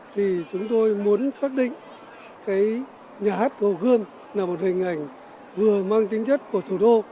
thì chúng tôi muốn xác định cái nhà hát hồ gươm là một hình ảnh vừa mang tính chất của thủ đô